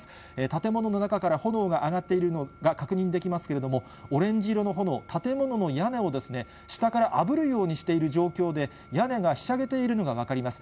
建物の中から炎が上がっているのが確認できますけれども、オレンジ色の炎、建物の屋根を、下からあぶるようにしている状況で、屋根がひしゃげているのが分かります。